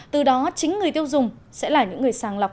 từ đó chính người tiêu dùng sẽ là những người sàng lọc